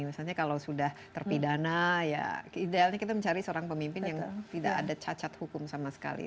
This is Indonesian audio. misalnya kalau sudah terpidana ya idealnya kita mencari seorang pemimpin yang tidak ada cacat hukum sama sekali